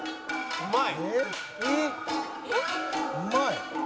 うまい！